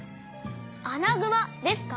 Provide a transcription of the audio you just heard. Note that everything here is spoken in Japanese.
アナグマですか？